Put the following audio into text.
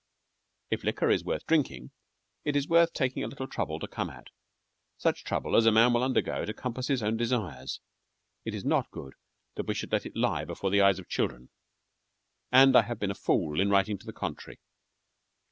If liquor is worth drinking, it is worth taking a little trouble to come at such trouble as a man will undergo to compass his own desires. It is not good that we should let it lie before the eyes of children, and I have been a fool in writing to the contrary.